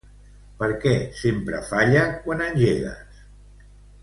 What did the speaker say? Per què sempre falla quan engegues?